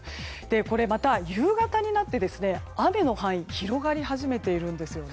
これ、また夕方になって雨の範囲が広がり始めているんです。